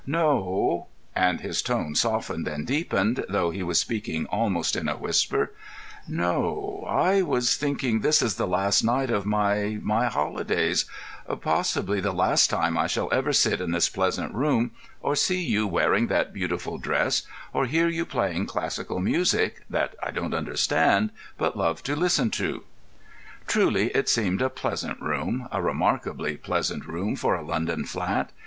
No"—and his tone softened and deepened, though he was speaking almost in a whisper—"no; I was thinking this is the last night of my—my holidays; possibly the last time I shall ever sit in this pleasant room, or see you wearing that beautiful dress, or hear you playing classical music, that I don't understand, but love to listen to." Truly it seemed a pleasant room, a remarkably pleasant room for a London flat.